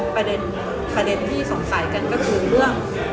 ประเด็นที่สงสัยกันก็คือเรื่องอะไรคะพี่